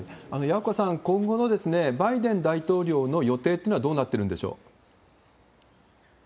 矢岡さん、今後のバイデン大統領の予定というのはどうなってるんでしょう？